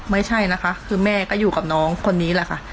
ไม่ใช่นะคะคือแม่ก็อยู่กับน้องคนนี้แหละค่ะ